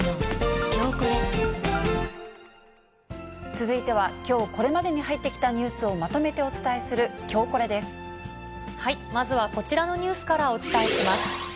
続いては、きょうこれまでに入ってきたニュースをまとめてお伝えするきょうまずはこちらのニュースからお伝えします。